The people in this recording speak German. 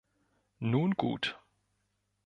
Nun gut!